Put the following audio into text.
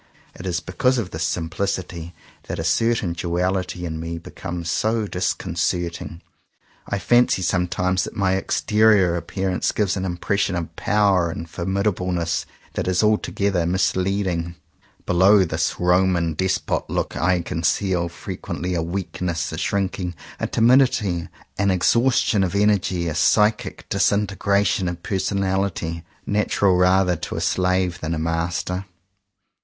It is because of this simplicity that a certain duality in me becomes so disconcerting. I fancy sometimes that my exterior appearance gives an impression of power and formid ableness that is altogether misleading. Be low this Roman Despot look I conceal fre quently a weakness, a shrinking, a timidity, an exhaustion of energy, a psychic disinte gration of personality, natural rather to a slave than a master.